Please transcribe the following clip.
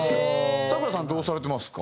さくらさんはどうされてますか？